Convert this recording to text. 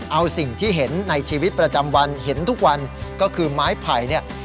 เอาสิ่งที่เห็นในชีวิตประจำวันเห็นทุกวันก็คือไม้ไผ่เนี่ย